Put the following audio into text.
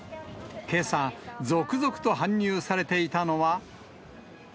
けさ、続々と搬入されていたのは。